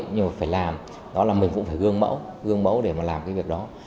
nhưng mà phải làm đó là mình cũng phải gương mẫu gương mẫu để mà làm cái việc đó